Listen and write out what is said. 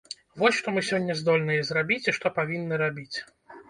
Вось што мы сёння здольныя зрабіць і што павінны рабіць?